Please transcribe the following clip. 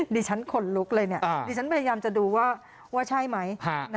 ดิฉันขนลุกเลยเนี่ยดิฉันพยายามจะดูว่าใช่ไหม